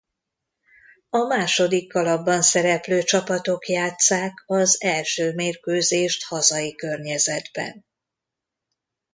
A második kalapban szereplő csapatok játsszák az első mérkőzést hazai környezetben.